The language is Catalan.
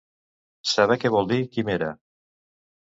Saber què vol dir quimera.